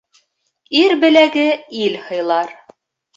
Ир беләге ил һыйлар.